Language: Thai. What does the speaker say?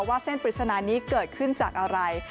เส้นปริศนานี้เกิดขึ้นจากอะไร